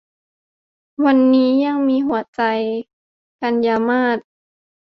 วันนี้ยังมีหัวใจ - กันยามาส